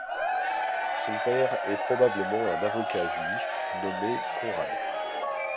Son père est probablement un avocat juif nommé Conrad.